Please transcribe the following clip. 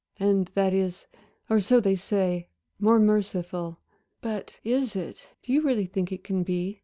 And that is or so they say more merciful. But is it do you really think it can be?"